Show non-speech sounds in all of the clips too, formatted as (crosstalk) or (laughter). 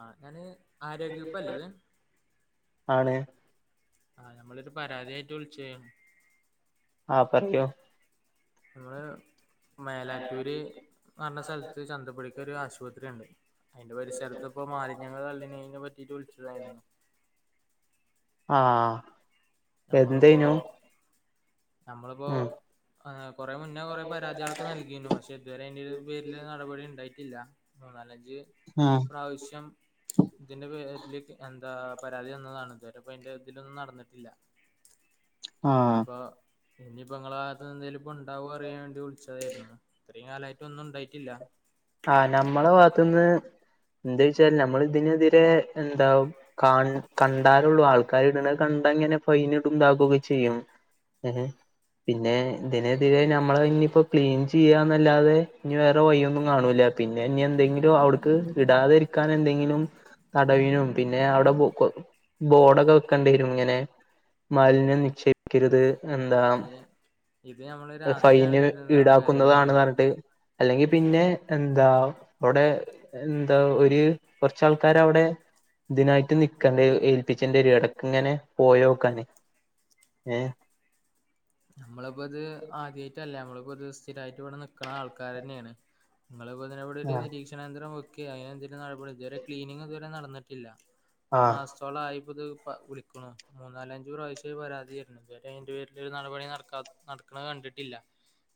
ആ ഞാന് ആരോഗ്യ വകുപ്പ് അല്ല ഇത് ആണ് ആ നമ്മളൊരു പരാതിയായിട്ട് വിളിച്ചു ആ പറയൂ ഇങ്ങൾ മേലാറ്റൂര് പറഞ്ഞ സ്ഥലത്ത് ചന്തപ്പടിക്കെ ഒരു ആശുപത്രി ഉണ്ട് അതിന്റെ പരിസരത്ത് ഇപ്പോ മാലിന്യങ്ങള് തള്ളി നിങ്ങയതിനെപറ്റിട്ട് വിളിച്ചതായിരുന്നു ആ എന്തേനു നമ്മളിപ്പോനമ്മളിപ്പോ ഉം ആ കുറെ മുന്നേ കുറെ പരാദികൾ ഒക്കെ നൽകിരുന്നു പക്ഷെ ഇതുവരെ അന്റെ ഒരു പേരില് നടപടി ഉണ്ടായി ഇല്ലമൂന്നാലഞ്ച് ആ പ്രാവശ്യം ഇതിന്റെ പേരില എന്താ പരാതി വന്നതാണ് ഇതുവരെപ്പൊ അതിന്റെ ഇതിലൊന്നും നടന്നിട്ടില്ല ആ അപ്പൊ ഇഞ് ഇപ്പോനിങ്ങനെ അരര്ത്ത്ന്ന് എന്തേലും ഇപ്പോ ഉണ്ടാവോ അറിയാൻ വേണ്ടി വിളിച്ചതായിരുന്നു ഇകാലമായിട്ട ഒന്നും ഉണ്ടായിട്ടില്ല ആ നമ്മളെ ഭാഗത്തുന്ന് എന്താെച്ചാല് നമ്മൾ ഇതിനെതിരെ എന്താ കണ്ടാലുള്ളൂ ആൾക്കാർ ഇടുന്നത് കൺ അങ്ങനെ ഫയ്ന് ഇണ്ടുകുകൊക്കെ ചെയ്യുംഏ പിന്നെ ഇതിനെതിരെ നമ്മള ഇനിപ്പോ ക്ലീൻ ചെയ്യാന്നല്ലാതെ ഇനി വേറെ വയ്യൊന്നും കാണൂല പിന്നെ ഇനി എന്തെങ്കിലും അവിടെക്ക് ഇടാതെരിക്കാൻ എന്തെങ്കിലും തടവിനും പിന്നെ അവിടെ ബോഡൊക്കെ വെക്കേണ്ടി വരും ഇങ്ങനെ മാലിന്യം നിക്ഷേപിക്കരുത് എന്താ അയ്ന് ഇത് നമ്മള് രാത്രിയാണ് ഫൈന് വരുന്നത് ആൾക്കാര് ഈടാക്കുന്നതാണ് ന്ന് വരുന്നത് പറഞ്ഞിട്ട് അല്ലെങ്കിൽ പിന്നെ എന്താ അവിടെ എന്താ ഒരു കൊറച്ചാൾക്കാര അവിടെ ഇതിനായിട്ട് നിക്കേണ്ടി ഏൽപ്പിച്ചണ്ടി വരും ഇടക്ക് ഇങ്ങനെ പോയോ ക്കാൻ ഏ നമ്മളിപ്പോ അത് ആദ്യമായിട്ടല്ല നമ്മളിപ്പോ സ്ഥിരമായിട്ട് ഇവിടെ നിക്കണ ആൾക്കാാര് തന്നെയാണ് നിങ്ങൾ ഇതിനവിടെ ഒരു ആ നിരീക്ഷണാന്ന്തരം വെക്കെ അതിനെന്ത നടപടി ഇതുവരെ ക്ലീനിങ്് ഇതുവരെ നടന്നിട്ടില്ല ഒരു ആ മാസത്തോളം ആയിപ്പത് വിളിക്കണ് മൂന്ന നാലഞ്ചു പ്രാവശ്യം പരാതിയായിരുന്നു ഇതുവ അന്റെ പേരിൽ നടപടി നടക്കാ നടക്കണ കണ്ടിട്ടില്ല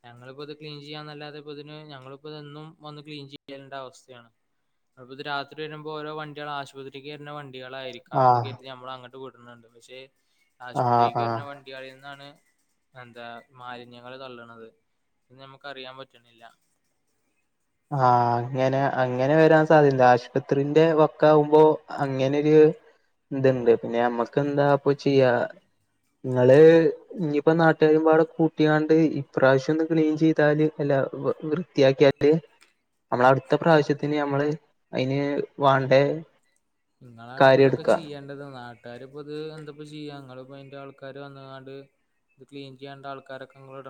ഞങ്ങളിപ്പോ അത് ക്ലീൻ ചെയ്യാന്നല്ലാതെ ഇപ്പ ഇതിന് ഞങ്ങളിപ്പോ ഇതും വന്ന് ക്ലീൻ ചെയ്യാണ്ട അവസ്ഥയാണ് അ രാത്രി വരുമ്പോൾ ഓരോ വണ്ടികൾ ആശുപത്രിക്ക് വരുന്ന വണ്ടികളായിയിരിക്കാം ആ എന്ന് ക നമ്മൾ അങ്ങോട്ട് ണ്ട് പക്ഷെ ആ ആശുപത്രിക്ക് ആ വരുന്ന വണ്ടിയളിൽ നിന്നാണ് എന്താ മാലിന്യങ്ങള്ൾ തള്ളണത് അ നമുക്ക് അറിയാൻ പറ്റുന്നില്ല ആഹ അങ്ങനെ അങ്ങനെ വരാൻ സാധ്യണ്ട് ആശുപത്രിന്റെ വക്ക ആകുമ്പോ അങ്ങനെരു ഇതുണ്ട് പിന്നെ നമ്മക്ക്െന്താപ്പൊ ചെയ്യാ നിങ്ങള് ഇനിയിപ്പോ നാട്ടുകാരരുമ്പാടെ കൂട്ടിയാണ്ട് ഇപ്രാവശ്യം ഒന്ന ക്ലീൻ ചെയ് വൃത്തിയാക്കിയ നമ്മള അടുത്ത പ്രാവശ്യത്തിന് നമ്മള് അതിന് വാണ്ട അതാണ് പ്പോ ഇതൊക്കെ ചെയ്യേണ്ടത് നാട്ട കട്ടാര് ഇപ്പ ഇത് എന്തപ്പ ചെയ്യാങ്ങ ഇ അന്റെ ആൾക്കാാര് വന്നതണ്ട് ഇത് ല എൻ ചെയ്യാണ്ട ആൾക്കാരക്കങ്ങളോട്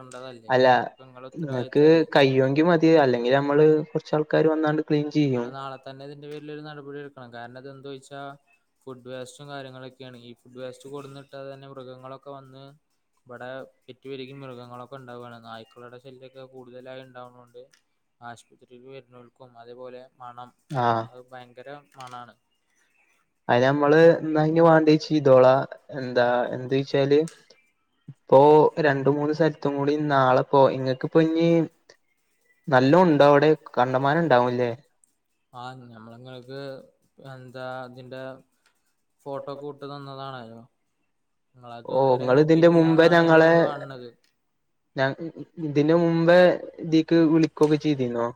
അല്ല നിങ്ങക്ക് കയിയുമോെങ്കിൽ മതി അല്ലെങ്കിൽ നമ്മള് കൊറച്ച ആൾക്കാർ വന്നാണ്ട് ക്ലീൻ ചെയ്യും നിങ്ങള് നാളെ തന്നെ ഇതിന്റെ പേരിലൊരു നടപടി എടുക്കണം കാരണംത എന്താ വെച്ചാൽ ഫുഡ് വേസ്റ്റും കാര്യങ്ങളൊക്കെയാണ് ഈ ഫുഡ് വേസ്റ്റ് കൊടുുന്നുിട്ടാെ തന്നെ മൃഗങ്ങളൊക്കെ വന്ന് ഇവിടെ പെറ്റു പെരുകി മൃഗങ്ങളൊക്കെ ഉണ്ടാവുകയാണ് നായ്ക്കളുടെ ശല്യൊക്കെ കൂടുതലായി ഉണ്ടാവുന്നൊണ്ട് ആശുപത്രിൽ വരുന്നോൽക്കും അതേപോലെ മണം ആഹ് അത് ഭയങ്കര മണന് അതിന് നമ്മള് ന്ന വേണ്ടിയെ ചെയ്തോളാ എന്താ എന്ത് വച്ചാല് ഇപ്പോൊ രണ്ടു മൂന്ന് സ്ഥലത്തും കൂടി നാളെ പോ ഇങ്ങക്ക്ിപ്പോ ഇ നല്ല ഉണ്ടാവും അവിടെ കണ്ടമാന ഉണ്ടാവുംല്ലേ ആ നഞമ്മളങ്ങക്ക് എന്താ ഇതിന്റെ ഫോട്ടോ കൂട്ട് തന്നതാണോ ഓ നിങ്ങളത്ൊതുവരെ നിങ്ങൾ ഇതിന്റെ നോക്കിട്ടില്ലന്നാണ് നഞമ്മള് കാണണുന്നത് ഞാ ഇതിന് മുമ്പേ ഇതീക്ക് വിളിക്കൊക്കെ ചെയ്തിുന്നോ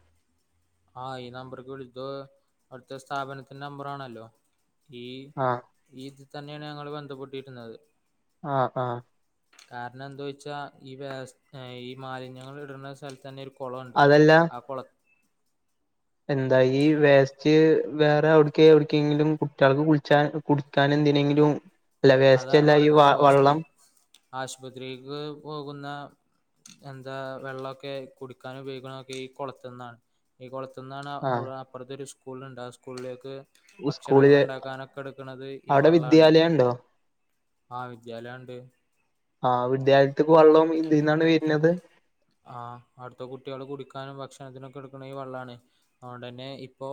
ആഹ് ഈ നമ്പറക്ക് വിളിക്കോ അവിടുത്തെ സ്ഥാപനത്തിന്റെ നമ്പറാണല്ലോ ഈ ആഹ് ഈ ഇത് തന്നെയാണ് ഞങ്ങള്ൾ ബന്ധപ്പെട്ടിരുന്നത് ആഹ ആഹ കാരണം എന്തോഴ്ച ഈ വ ഈ മാലിന്യങ്ങൾ ഇടുന്ന സ്ഥലത്ത് തന്നെ കുളമുണ്ട് അതല്ല ആ കുള എന്താ ഈ വേസ്റ്റ് വേറെ അവിടക്ക് എവിടക്കെങ്കിലും കുട്ടികൾക്ക് കുളിച്ചാ കുടി ക്കാൻ എന്ത െങ്കിലും അല്ല വേസ്റ്റ് അതാണ് അല്ല ഈ പറയുന്നത് വ ഹോസ്പി വെള്ളം ആശുപത്രിക്ക് പോകുന്ന എന്താ വെള്ളമൊക്കെ കുടിക്കാനും ഉപയോഗിക്കാന ഒക്കെ ഈ കൊളത്തു നിന്നാണ് ഈ കൊള അന്നാണ് ആ അപ്പുറത്ത ഒരു സ്കൂളുണ്ട് ആ സ്കൂളിലേക്ക് ഭക്ഷണങ്ങൾ സ്കൂളില് ഉണ്ടാക്കാനൊക്കെ എടുക്കണുന്നത് ഈ അവിടെ വള്ളാണ് വിദ്യാലയം ഉണ്ടോ ആഹ വിദ്യാലയംണ്ട് ആഹ വിദ്യാലയത്തിക്ക് വള്ളം ഇതിൽന്നാണ് വരുന്നത് ആഹ് അടുത്തെ കുട്ടികള് കുടിക്കാനും ഭക്ഷണത്തിനും ഒക്കെ എടുക്കണ ഈ വെള്ളമാണ് അതുകൊണ്ട് തന്നെ ഇപ്പൊ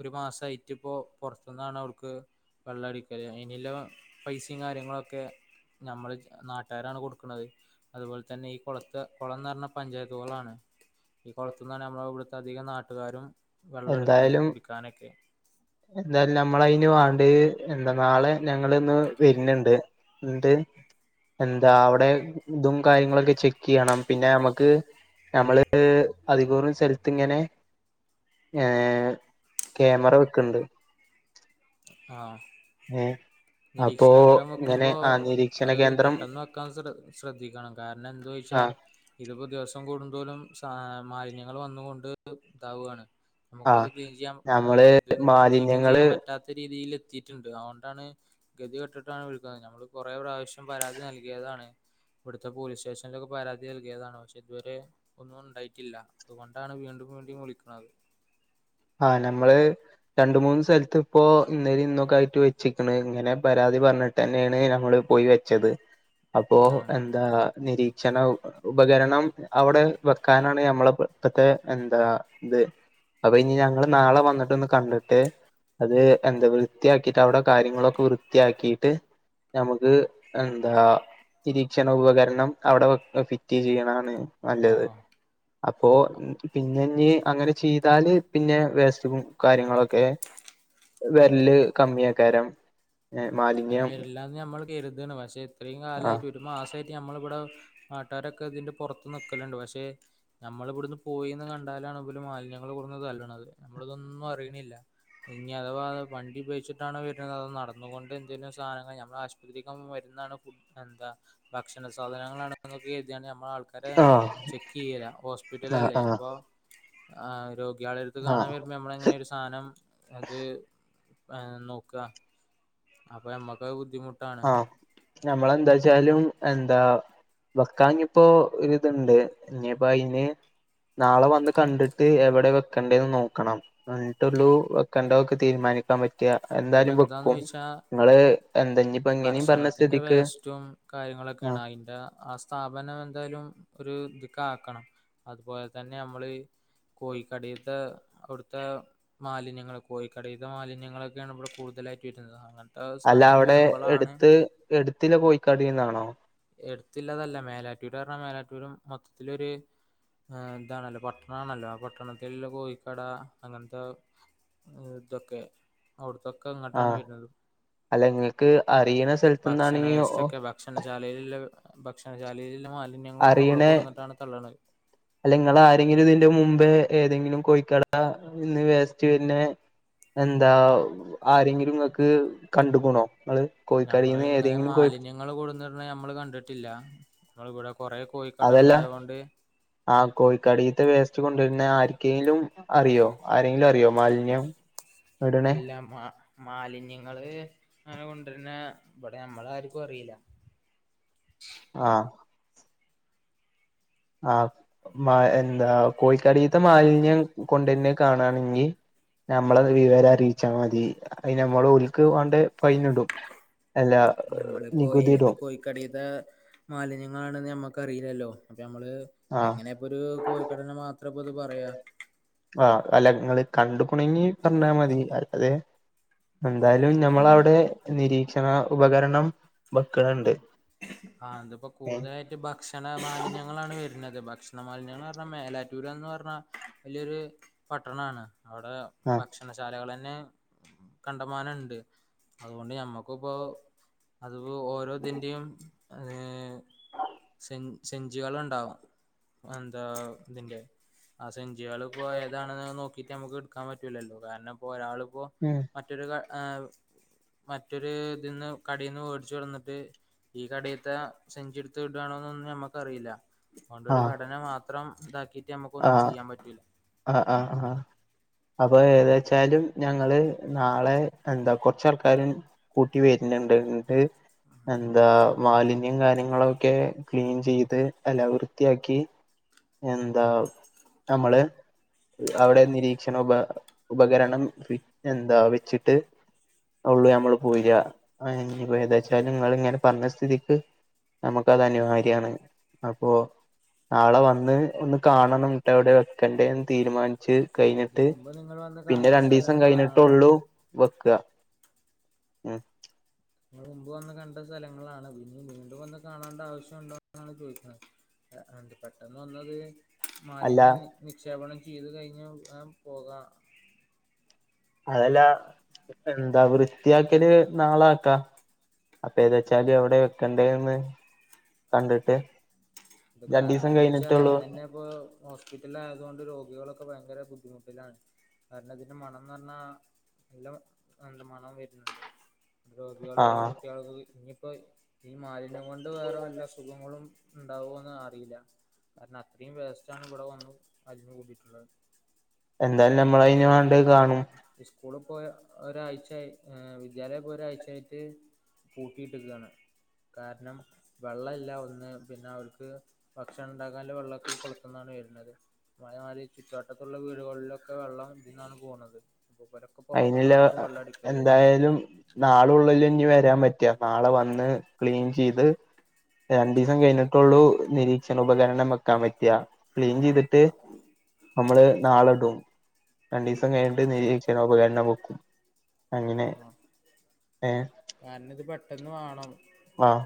ഒരു മാസയിട്ട് ഇപ്പൊ പൊറത്തുന്നാണ് അവർക്ക് വെള്ളംടിക്കല് അയിനിള്ള പൈസയും കാര്യങ്ങളൊക്കെ നമ്മള് നാട്ടുകാരാണ് കൊടുക്കണത് അതുപോലെ തന്നെ ഈ കൊളത്തെ കൊളന്ന് പറഞ്ഞ കുളംന്ന് പറഞ്ഞ പഞ്ചായത്തുകളാണ് ഈ കൊളത്തുന്നാണെങ്കിൽ നമ്മുടെ ഇവിടുത്തെ അധികം നാട്ടുകാരും വെള്ളം എടുക്കണത് എന്തായാലും കുടിക്കാനൊക്കെ എന്തായാലും ഞമ്മളയിന് വേ എന്താ നാളെ ഞങ്ങള് ഇന്ന് വരുന്നുണ്ട് ഇണ്ട് എന്താ അവിടെ ഇതും കാര്യങ്ങളൊക്കെ ചെക്ക് ചെയ്യണം പിന്നെ നമ്മ്ക്ക് ഞമ്മള് അധികൂറ സ്ഥലത്ത് ഇങ്ങനെ ഏഹ് ക്യാമറ വെക്കണ്ട് ആഹ ഏഹ് നിരീക്ഷണാന്തരം വെക്കുമ്പോ നിരീക്ഷണ അത് കേന്ദ്രം പെട്ടെന്ന് വെക്കാൻ ശ്രെ ശ്രദ്ധിക്കണം കാരണം എന്ത ചോയിച്ച ആ ഇതിപ്പോ ദിവസം കൂടുന്തോലും സ മാലിന്യങ്ങള് വന്ന് കൊണ്ട് ഇതാവാണ് നമുക്കത് ആഹ് ക്ലീൻ ചെയ്യാം ഏഹ് ഞമ്മള് ഇത് നീക്കം മാലിന്യങ്ങള് ചെയ്യാൻ പറ്റ റ്റാത്ത രീതില് എത്തിയിട്ടുണ്ട് അതുകൊണ്ടാണ് ഗതി കെട്ടിട്ടാണ് വിളിക്കുന്നത് ഞമ്മള് കൊറെ പ്രാവശ്യം പരാതി നൽകിയതാ താണ് ഇവിടുത്തെ പോലീസ് സ്റ്റേഷനിലൊക്കെ പരാതി നൽകിയതാണ് പക്ഷെ ഇതുവരെ ഒന്നും ഉണ്ടായിട്ടില്ല അതുകൊണ്ടാണ് വീണ്ടും വേണ്ടിയും വിളിക്കണത് ആഹ ഞമ്മള് രണ്ട് മൂന്ന് സ്ഥലത്ത് ഇപ്പോ ഇന്നേലും ഇന്നൊക്കെ ആയിട്ട് വെച്ചിക്കണ് ഇങ്ങനെ പരാതി പറഞ്ഞിട്ട് തന്നെയാണ് ഞമ്മള് പോയി വെച്ചത് അപ്പോ ആ എന്താ നിരീക്ഷണ ഉപകരണം അവിടെ വെക്കാനാണ് ഞമ്മളെ ഇപ്പോത്തെ എന്താ ഇത് അപ്പൊ ഇനി ഞങ്ങള് നാളെ വന്നിട്ടൊന്ന് കണ്ടിട്ട് അത് എന്താ വൃത്തിയാക്കി അവിടെ കാര്യങ്ങളൊക്കെ വൃത്തിയാക്കിയിട്ട് നമുക്ക് എന്താ നിരീക്ഷണ ഉപകരണം അവിടെ ഫിറ്റ് ചെയ്യണാണ് ആ നല്ലത് ആ അപ്പോ പിന്നെ ഇനി അങ്ങനെ ചെയ്താല് പിന്നെ വേസ്റ്റും കാര്യങ്ങളൊക്കെ വരല് കമ്മിയക്കാരം അങ്ങനെ വരില്ലാന്ന് ഞമ്മൾ കരുതാണ് പക്ഷെ ഇത്രയും ആഹ് കാലമായിട്ട് ഒരു മാസം ട്ട് നമ്മളിവിടെ നാട്ടുകാരൊക്കെ ഇതിന്റെ പൊറത്ത് നിക്കലുണ്ട് പക്ഷെ നമ്മളിവിടുന്ന് പോയിന്ന് കണ്ട രാണ് മാലിന്യങ്ങള് കൊണ്ടന്നു തള്ളണത് നമ്മള് ഇതൊന്നും അറിയണില്ല ഇനി അഥവാ വണ്ടിപയോഗിച്ചിട്ടാണ് വരുന്നത് അതോന്നും നട അതുകൊണ്ട് എന്തേലും സാധനങ്ങൾ നമ്മള് ആശുപത്രി വരുന്നാണ് എന്താ ഭക്ഷണ സാധനങ്ങളാണ് കേര്ഥിയാണ് ഞമ്മള് ചുമ്മാ ആൾക്കാരെ ആഹ് ചെക്ക് ചെയ്യലാ ആഹ് ഹോസ്പിറ്റലല്ലേ ആഹ് അപ്പൊ ആ രോഗി യാളടുത്ത് കാണാൻ ആഹ് വരുമ്പോ നമ്മള് എങ്ങനെ ഒരു സാധനം അത് ഏ നോക്കാ അപ്പ ഞമക്ക് അത് ബു ആഹ ഞമ്മള് എന്താ ചെ വച്ചാലും എന്താ വക്കാനിപ്പോ ഒരു ഇതുണ്ട് ഇനിപ്പോ അയിന് നാളെ വന്ന് കണ്ടിട്ട് എവിടെ വെക്കണ്ടേന്ന് നോക്കണം എന്നിട്ടുള്ളൂ വെക്കേണ്ടതൊക്കെ തീരുമാനിക്കാൻ പറ്റും ഇതിപ്പോ എന്തായാലും എന്താന്ന് വെക്കും വെച്ചാ നിങ്ങള് എന്ത ഭക്ഷണത്തിന്റെ വേസ്റ്റും കാര്യങ്ങളൊക്കെയാണ് ആഹ് അതിന്റെ ആ സ്ഥാപനം എന്തായാലും ഒരു ദിക്കാക്കണം അതുപോലെ തന്നെ ഞമ്മള് കോഴിക്കടയിലടുത്തെ അവിടുത്തെ മാലിന്യങ്ങള് കോഴിക്കടയിത്തെ മാലിന്യങ്ങള് ഒക്കെയാണ് ഇവിടെ കൂടുതലായിട്ട് ഇടുന്നത് അങ്ങനത്തെ അല്ല സാധനങ്ങൾ അവിടെ വരുമ്പളാണ് എടുത്ത് എടുത്തിള്ള കോയിക്കടന്നാണോ എടുത്തില്ലതല്ല മേലാറ്റൂര് പറഞ്ഞാൽ മേലാറ്റൂരും മൊത്തത്തിലൊരു ഇതാണല്ലോ പട്ടണം ആണല്ലോ പട്ടണത്തിൽ കോയിക്കട അങ്ങനത്തെ ദോക്കെ അവിടുത്തെ ആഹ് അല്ല ഇങ്ങക്ക് അറിയണ സ്ഥലത്തന്നാണെങ്കി ഓ ഭക്ഷണശാലയില് വല്ല്യ മ അറിയണേ അല്ലെങ്കിൽ ആരെങ്കിലും ഇതിന്റെ മുമ്പേ ഏതെങ്കിലും കോഴിക്കട ഇന്ന് വേസ്റ്റ് വരുനെ എന്താ ആരെങ്കിലും ഇങ്ങക്ക് കണ്ടുകണോ നമ്മൾ ഇങ്ങനെ മാലിന്യങ്ങൾ കൊടുന്നിടുണത് നമ്മൾ കണ്ടിട്ടില്ല നിങ്ങ അതെല്ല ആഹ് കോഴികടീത്തെ വെസ്റ്റ് വേസ്റ്റ് കൊണ്ടാർന്നേ ആർക്കെങ്കിലും അറിയോ ആരെങ്കിലും അറിയോ മാലിന്യം ഇടണേ ഇല്ല മ മാലിന്യങ്ങൾ അങ്ങനെ കൊണ്ടാർന്നേ ഇവിടെ നമ്മൾ ആർക്കും അറിയില്ല ആ എന്താ കോഴിക്കടത്തെ മാലിന്യം കൊണ്ടാർന്നേ കാണാണെങ്കിൽ നമ്മൾ വിവര അറിയിച്ചാൽ മതി അതിൻ നമ്മൾ ഒൽക് വണ്ടേ ഫൈൻ ഇടും അല്ല നമ്മളിപ്പോ ഏത് നികുതിയിടും കോഴിക്കഡീത്തെ മാലിന്യങ്ങളാണന്ന് നമ്മക്കറിയില്ലല്ലോ നമ്മള് ആഹ് എങ്ങനെയപ്പൊത് ഒരു കോഴിക്കടനെ മാത്രപ്പൊ ഇത് പറയാ ആ അല്ല ഇങ്ങൾ കണ്ടുകുണെകിൽ പറഞ്ഞാ മതി അല്ലതെ എന്തായാലും നമ്മൾ അവിടെ നിരീക്ഷണ ഉപകരണം വെക്കുണ്ണ്ട് ആ അതിപ്പോ കൂടുതലായിട്ട് ഭക്ഷണ മാലിന്യങ്ങളാണ് വരുന്നത് അതെ ഭക്ഷണ മലിന്യങ്ങൾ എന്ന് പറഞ്ഞാൽ മേലാറ്റൂർന്ന് പറഞ്ഞാൽ വല്യൊരു പട്ടണമാണ് അവിടെ ആഹ് ഭക്ഷണശാലകൾ തന്നെ കണ്ടമാനംണ്ട് അതുകൊണ്ട് നമ്മക്ക് പ്പോ അത് പ്പോ ഓരോതിൻന്റെയും സെ സെഞ്ചികളണ്ടാവും എന്താ ഇതിന്റെ ആ സെഞ്ചി സജികളി പ്പോൾ ഏതാണെന്ന് നോക്കീട്ട് ഇപ്പോ എടുക്കാൻ പറ്റൂല്ലല്ലോ കാരണം ഇപ്പോ ഒരാളിപ്പോൾ ഉം മറ്റൊരു ആ മറ്റൊരു ഇതിൽന്ന് കടീന്ന് വേടിച് കൊടന്നിട്ട് ഈ കടേത്തെ സെഞ്ചി എടതിട്ടാണോന്നു നമ്മക്കറിയില്ല അതുകൊണ്ട് ഒരു കടനെ മാത്രം ന്തക്കി ആഹ ആഹ് അ ആ അപ്പൊ ഏതാച്ചാലും ഞങ്ങള് നാളെ എന്താ കുറച്ച് ആൾക്കാരും കൂട്ടി വരുന്നുണ്ട് എന്നിട്ട് എന്താ മാലിന്യം കാര്യങ്ങളൊക്കെ ക്ലീൻ ചെയ്ത് അല്ല വൃത്തിയാക്കി എന്താ നമ്മൾ അവിടെ നിരീക്ഷണ ഉപ ഉപകരണം എന്താ വച്ചിട്ട് ഉള്ളൂ നമ്മൾ പോര്യ ഇപ്പോ ഏന്താച്ചാലും നിങ്ങൾ ഇങ്ങനെ പറഞ്ഞ സ്ഥിതിക്ക് നമ്മുക്ക് അത് അനിവാര്യാണ്, അപ്പോ നാളെ വന്ന് ഒന്ന് കാണ് വന്ന് എവിടെ വെക്കേണ്ടേന്ന് തീരുമാനിച്ച്. ഇത് കഴിഞ്ഞിട്ട് മുമ്പ് നിങ്ങൾ വന്ന് പിന്നെ കണ്ട രണ്ടു ദിവസം സ്ഥലങ്ങളാണ് കഴിഞ്ഞിട്ടള്ളൂ വെക്ക്യ. ഉ നിങ്ങൾ മുമ്പ് വന്ന് കണ്ട സ്ഥലങ്ങളാണ് പിന്നെ വീണ്ടും വന്ന് കാണേണ്ട ആവശ്യംമുണ്ടോ എന്നാണ് ചോദിക്കുന്നത്. ആ എന്തേ പെട്ടന് വന്നത്. അല്ല മാലിന്യം നിക്ഷേപണം ചെയ്തു കഴിഞ്ഞു ന്നാ പോകാം അതെല്ല എന്താ വൃത്തിയാക്കൽ നാളെ ആക്കാം അപ്പേ ഏതാ വെച്ചാൽ എവിടെ വെക്കണ്ടേന്ന് കണ്ടിട്ട്. കാരണം രണ്ടീസം എന്താ ചോയ്ച്ച കഴിഞ്ഞിട്ടൊള്ളൂ ഇന്നന്നെ ഇപ്പോ ഹോസ്പിറ്റലിൽ ആയതുകൊണ്ട് രോഗികളൊക്കെ ഭയങ്കര ബുദ്ധിമുട്ടിലാണ് അതിന്റെ മണംന്ന് പറഞ്ഞാ ഇല്ല നല്ല മണം വർണുണ്ട് ഇവിടെ രോഗികളും ഇവിടെ ആഹ് കുട്ടികൾക്ക് ഇനിയിപ്പോ ഈ മാലിന്യം കൊണ്ട് വേറെ വല്ലാ അസുഖങ്ങളും ഉണ്ടാവോന്നു അറിയില്ല കാരണം അത്രയും വേസ്റ്റണ് ഇവിടെ വന്ന് അടിങ്ങുകൂടീട്ടുള്ളത് എന്തായാലും നമ്മൾ അതിൻ വേണ്ടത് കാണും സ്കൂളിൽ പോയ ഒരാഴ്ചയായി വിദ്യാലയം ഇപ്പൊ ഒരാഴ്ചയായിട്ട് പൂട്ടിട്ടകാണ് കാരണം വെള്ളംല്ല ഒന്ന് പിന്നെ അവർക്ക് ഭക്ഷണം ഉണ്ടാകാനുള്ള വെള്ളൊക്കെ കൊളത്ത് ന്നാണ് വരുന്നത് (unintelligible) ചുറ്റുവട്ടത്തുള്ള വീ വീടുകളിലൊക്കെ വെള്ളം ഇതിന്നാണ് പോണത് അപ്പോൾ ഇവരൊക്കെ അയിനുള്ള പുറത്തുനിന്നാണ് ഇപ്പോൾ വെള്ളം അടിക്കല് എന്തായാലും നാളെ ഉള്ളിൽ ഇനി വരാൻ പറ്റിയ നാളെ വന്ന് ക്ലീൻ ചെയ്ത് രണ്ട് ദിവസം കഴിഞ്ഞിട്ടുള്ളു നിരീക്ഷണ ഉപകരണം വെക്കാൻ പറ്റ്ആ ക്ലീൻ ചെയ്തിട്ട് നമ്മള് നാളെ ഇടും രണ്ട് ദിവസം കഴിഞ്ഞിട്ട് നിരീക്ഷ ഉപകരണം വെക്കും അങ്ങനെ ആ ഏ എന്ന് വേണം ആഹ്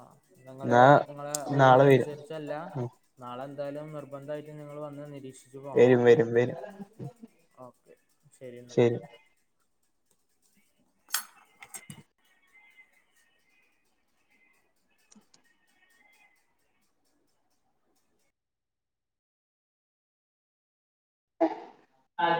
ആ നിങ്ങള് നിങ്ങളെ നാളെ വരും ഒഴവിനനുസരിച്ചല്ല ഉം നാളെ എന്തായാലും നിർബന്ധമായിട്ട് നിങ്ങൾ വന്ന് നിരീക്ഷിച്ചു പോണം വരും വരും വരും ശരി ന്നാ ആ